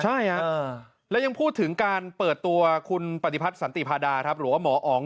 ใช่แล้วยังพูดถึงการเปิดตัวคุณปฏิพัฒน์สันติพาดาครับหรือว่าหมออ๋อง